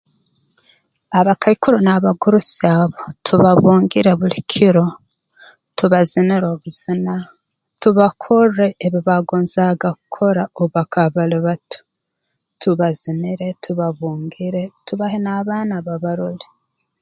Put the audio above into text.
Abakaikuru n'abagurusi abo tubabungire buli kiro tubazinire obuzina tubakorre ebi baagonzaaga kukora obu bakaba bali bato tubazinire tubabungire tubahe n'abaana babarole